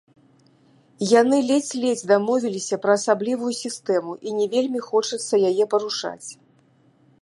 Яны ледзь-ледзь дамовіліся пра асаблівую сістэму і не вельмі хочацца яе парушаць.